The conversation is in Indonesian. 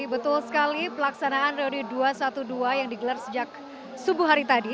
betul sekali pelaksanaan reuni dua ratus dua belas yang digelar sejak subuh hari tadi